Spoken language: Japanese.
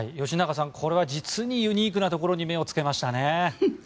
吉永さんこれは実にユニークなところに目をつけましたね。